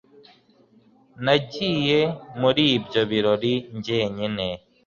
nagiye muri ibyo birori jyenyine